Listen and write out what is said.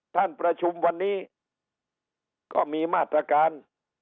ท่านประชุมวันนี้ก็มีมาตรการ